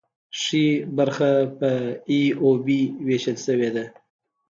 ښي برخه په ای او بي ویشل شوې ده.